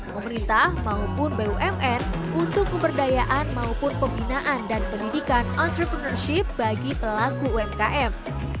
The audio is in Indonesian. pemerintah maupun bumn untuk pemberdayaan maupun pembinaan dan pendidikan entrepreneurship bagi pelaku umkm